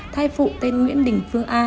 thai phụ tên nguyễn đình phương a